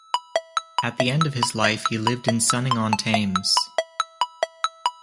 At the end of his life he lived in Sonning-on-Thames.